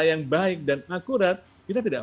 yang baik dan akurat kita tidak